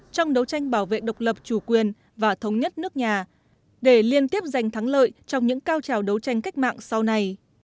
trong đấu tranh bảo vệ độc lập chủ quyền và thống nhất nước nhà để liên tiếp giành thắng lợi trong những cao trào đấu tranh cách mạng sau này